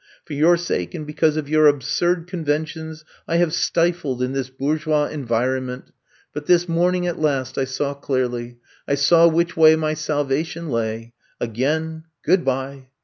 For your sake and because of your absurd oonventions I have stifled in this I'VE COMB TO STAY 187 bourgeois environment. But this morning, at last, I saw clearly, I saw wMch way my salvation lay. Again, goodby.